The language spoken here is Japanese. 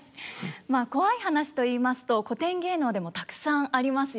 まあコワい話といいますと古典芸能でもたくさんありますよね。